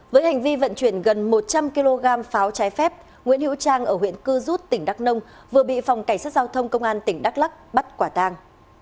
với hành vi vận chuyển gần một trăm linh kg pháo trái phép nguyễn hữu trang ở huyện cư rút tỉnh đắk nông vừa bị phòng cảnh sát giao thông công an tỉnh đắk lắc bắt quả tang